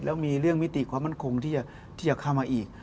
แล้วมีเรื่องมิติความมั่นคงที่จะเข้ามาอีก